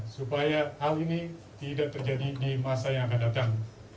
supaya hal ini tidak terjadi di masa yang akan datang